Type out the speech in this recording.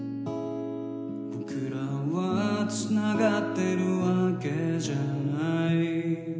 「僕らはつながってるわけじゃない」